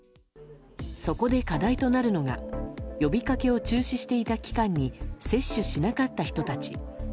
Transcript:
そこで課題となるのが呼びかけを中止していた期間に接種しなかった人たち。